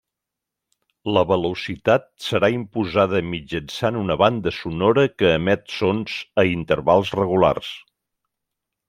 La velocitat serà imposada mitjançant una banda sonora que emet sons a intervals regulars.